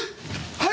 はい！